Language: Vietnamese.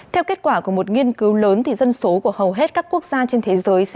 theo kết quả của một nghiên cứu lớn dân số của hầu hết các quốc gia trên thế giới sẽ giảm vào cuối thế kỷ này